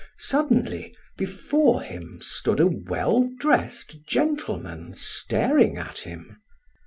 Suddenly before him stood a well dressed gentleman staring at him.